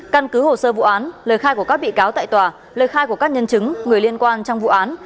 căn cứ hồ sơ vụ án lời khai của các bị cáo tại tòa lời khai của các nhân chứng người liên quan trong vụ án